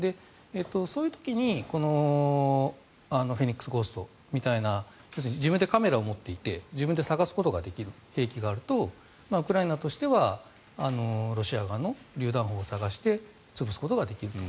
そういう時に、このフェニックスゴーストみたいな要するに自分でカメラを持っていて自分で探すことができる兵器があるとウクライナとしてはロシア側のりゅう弾砲を探して潰すことができると。